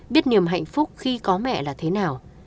biết niềm hạnh phúc khi có mẹ là thế nào